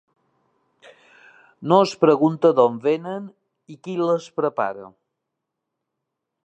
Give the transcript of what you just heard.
No es pregunta d'on venen i qui les prepara.